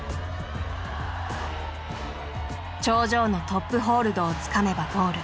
頂上の「トップホールド」をつかめばゴール。